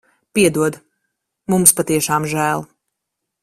Piedod. Mums patiešām žēl.